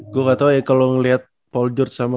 gue gak tau ya kalo ngeliat paul george sama